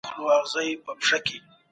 زه به د فولکلور په هر پېچ کي ورک وم.